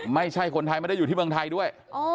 ไม่ใช่คนไทยไม่ได้อยู่ที่เมืองไทยด้วย